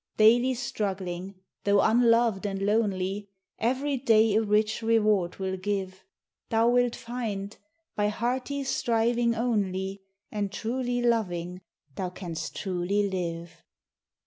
Daily struggling, though unloved and lonely, Every day a rich reward will give; Thou wilt find, by hearty striving only, And truly loving, thou canst truly live.